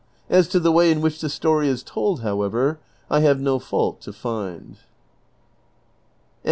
As to the way in which the story is told, however, I have no fault to find."